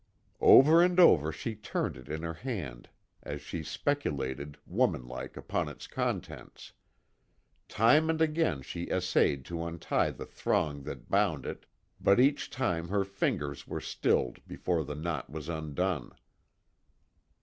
Over and over she turned it in her hand as she speculated, woman like, upon its contents. Time and again she essayed to untie the thong that bound it but each time her fingers were stilled before the knot was undone.